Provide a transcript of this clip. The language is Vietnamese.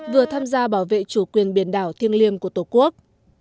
vừa tham gia bảo vệ chủ quyền biển đảo thiêng liêng của tổ quốc